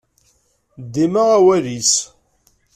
Dima awal-is.